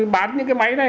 bán những cái máy này